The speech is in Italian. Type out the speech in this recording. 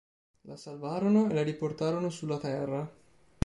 La salvarono e la riportarono sulla Terra.